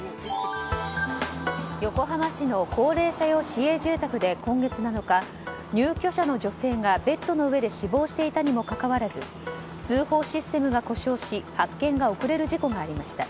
横浜市の高齢者用市営住宅で今月７日入居者の女性がベッドの上で死亡していたにもかかわらず通報システムが故障し発見が遅れる事故がありました。